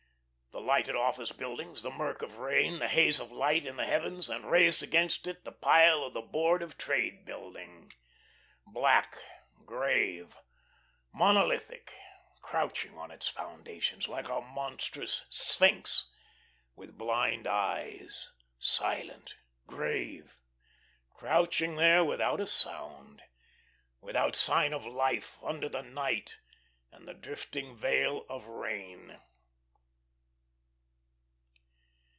The lighted office buildings, the murk of rain, the haze of light in the heavens, and raised against it the pile of the Board of Trade Building, black, grave, monolithic, crouching on its foundations, like a monstrous sphinx with blind eyes, silent, grave, crouching there without a sound, without sign of life under the night and the drifting veil of rain.